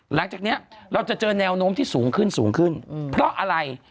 หลังจากนี้เราจะเจอแนวโน้มที่สูงขึ้นสูงขึ้นเพราะอะไร